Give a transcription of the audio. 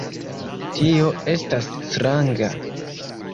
Tio estas stranga.